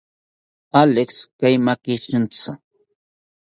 Alex, kaimaki shintzi